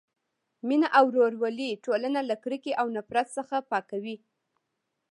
مینه او ورورولي ټولنه له کرکې او نفرت څخه پاکوي.